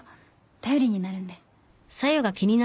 頼りになるんで。